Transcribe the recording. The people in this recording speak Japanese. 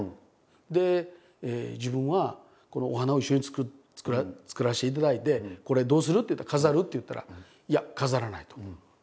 で自分はこのお花を一緒に作らせていただいて「これどうする？飾る？」って言ったら「いや飾らない」と。